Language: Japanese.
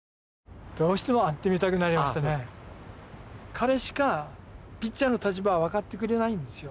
彼しかピッチャーの立場を分かってくれないんですよ。